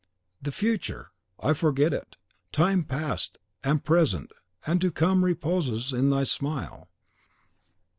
"The future! I forget it! Time past and present and to come reposes in thy smile.